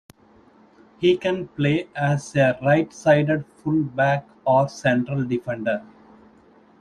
He can play as a right-sided full back or central defender.